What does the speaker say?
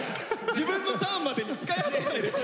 自分のターンまでに使い果たさないで力。